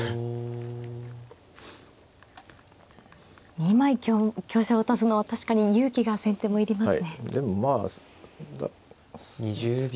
２枚香車渡すのは確かに勇気が先手もいりますね。